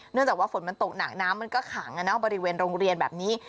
จากว่าฝนมันตกหนักน้ำมันก็ขังบริเวณโรงเรียนแบบนี้